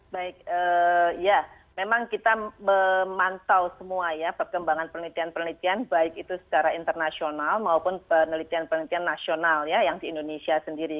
baik ya memang kita memantau semua ya perkembangan penelitian penelitian baik itu secara internasional maupun penelitian penelitian nasional ya yang di indonesia sendiri